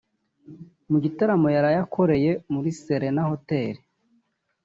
Mu gitaramo yaraye akoreye muri Serena Hotel